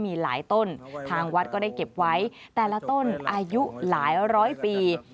มีหลายต้นทางวัดก็ได้เก็บไว้แต่ละต้นอายุหลายร้อยปี